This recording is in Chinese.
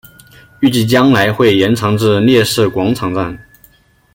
预计将来会延长至烈士广场站。